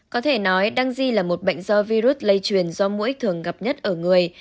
có thể nói đăng di là một bệnh do virus lây truyền do mũi thường gặp nhất ở người